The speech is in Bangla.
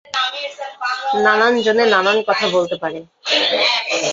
নানান জনে নানান কথা বলতে পারে।